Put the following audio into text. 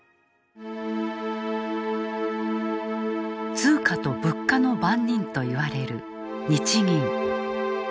通貨と物価の番人といわれる日銀。